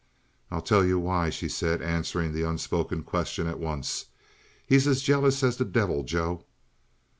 "I'll tell you why," she said, answering the unspoken question at once. "He's as jealous as the devil, Joe!"